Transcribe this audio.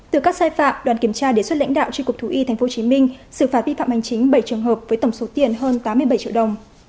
từ các sai phạm đoàn kiểm tra đề xuất lãnh đạo tri cục thú y tp hcm xử phạt vi phạm hành chính bảy trường hợp với tổng số tiền hơn tám mươi bảy triệu đồng